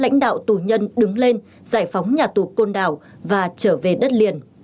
lãnh đạo tù nhân đứng lên giải phóng nhà tù côn đảo và trở về đất liền